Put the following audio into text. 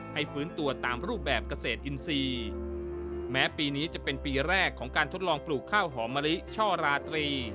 ฟื้นตัวตามรูปแบบเกษตรอินทรีย์แม้ปีนี้จะเป็นปีแรกของการทดลองปลูกข้าวหอมมะลิช่อราตรี